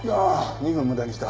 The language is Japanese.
２分無駄にした。